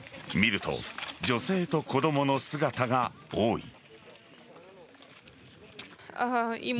見ると、女性と子供の姿が多い。